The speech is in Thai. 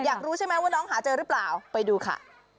อยากรู้ใช่ไหมว่าน้องหาเจอหรือเปล่าไปดูค่ะ